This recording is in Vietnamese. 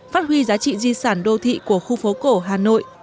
phát huy giá trị di sản đô thị của khu phố cổ hà nội